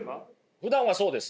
ふだんはそうです。